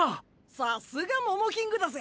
さすがモモキングだぜ。